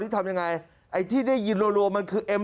ตอนนี้ก็ยิ่งแล้ว